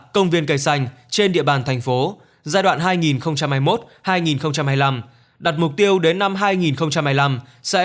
công viên cây xanh trên địa bàn thành phố giai đoạn hai nghìn hai mươi một hai nghìn hai mươi năm đặt mục tiêu đến năm hai nghìn hai mươi năm sẽ